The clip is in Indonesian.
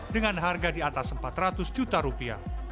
dengan harga di atas empat ratus juta rupiah